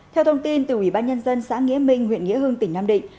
theo thông tin từ ủy ban nhân dân xã nghĩa minh huyện nghĩa hương tỉnh nam định